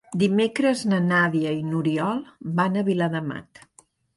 Dimecres na Nàdia i n'Oriol van a Viladamat.